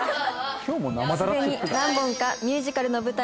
「すでに何本かミュージカルの舞台に」